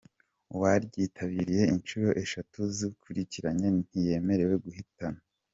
Uwaryitabiriye inshuro eshatu zikurikiranya ntiyemerewe guhatana.